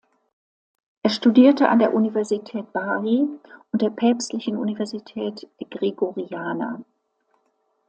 Er studierte an der Universität Bari und der Päpstlichen Universität Gregoriana.